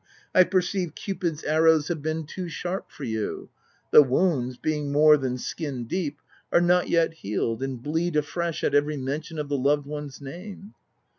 I perceive Cupid's arrows have been too sharp for you : the wounds being more than skin deep, are not yet healed and bleed afresh at every mention of the loved one's name."